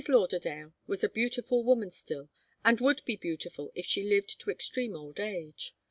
Lauderdale was a beautiful woman still, and would be beautiful if she lived to extreme old age.